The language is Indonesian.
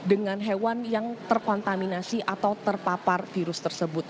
nah penularan dari hewan yang terkontaminasi atau terpapar virus tersebut